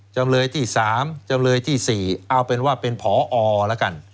จำเลยที่๓จำเลยที่๔เอาเป็นว่าเป็นผอแล้วกัน